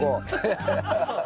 ハハハハッ。